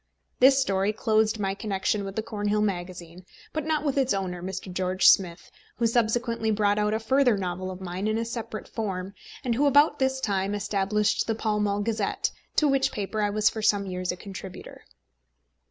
This story closed my connection with the Cornhill Magazine; but not with its owner, Mr. George Smith, who subsequently brought out a further novel of mine in a separate form, and who about this time established the Pall Mall Gazette, to which paper I was for some years a contributor.